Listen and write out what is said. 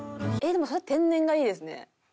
でもそれは天然がいいですね。